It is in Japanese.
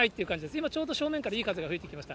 今ちょうど正面からいい風が吹いてきました。